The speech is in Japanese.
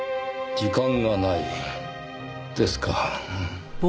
時間がないですか。